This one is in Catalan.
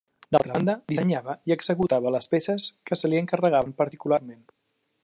D’altra banda, dissenyava i executava les peces que se li encarregaven particularment.